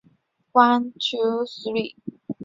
作品多由建阳余氏书坊承印。